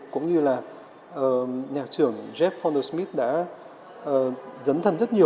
cũng như là nhạc trưởng jeff fonda smith đã dấn thân rất nhiều